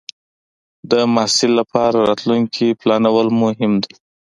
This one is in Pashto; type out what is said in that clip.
د محصل لپاره راتلونکې پلانول مهم دی.